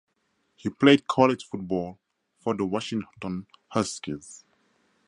He played college football for the Washington Huskies.